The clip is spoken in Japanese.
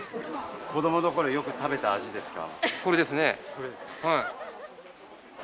子どもの頃よく食べた味ですか？